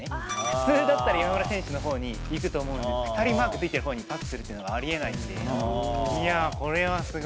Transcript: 普通だったら今村選手のほうに行くと思うんで、２人マークのあるほうにパスするっていうのはありえない。